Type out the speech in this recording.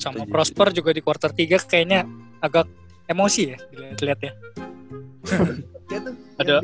sama prosper juga di quarter tiga kayaknya agak emosi ya diliat ya